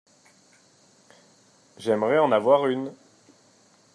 J'aimerais en avoir une.